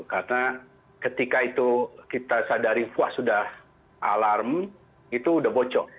karena ketika itu kita sadari wah sudah alarm itu sudah bocor